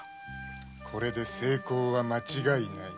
これで成功は間違いない。